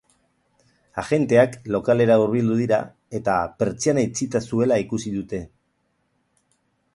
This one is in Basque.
Agenteak lokalera hurbildu dira eta pertsiana itxita zuela ikusi dute.